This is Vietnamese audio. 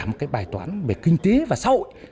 một cái bài toán về kinh tế và xã hội